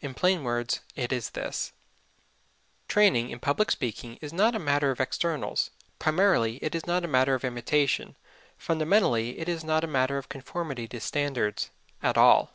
In plain words it is this: Training in public speaking is not a matter of externals primarily; it is not a matter of imitation fundamentally; it is not a matter of conformity to standards at all.